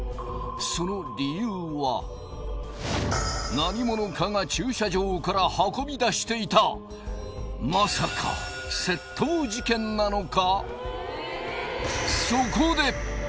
何者かが駐車場から運び出していたまさか窃盗事件なのか？